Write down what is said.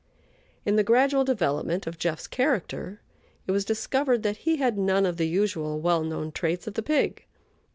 In the gradual development of "Jeff's" character, it was discovered that he had none of the usual well known traits of the pig.